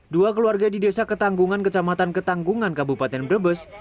dua keluarga di desa ketanggungan kecamatan ketanggungan kabupaten brebes